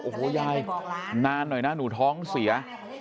โอ้โหยายนานหน่อยนะหนูท้องเสีย